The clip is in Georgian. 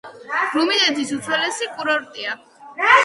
რუმინეთის უძველესი კურორტია.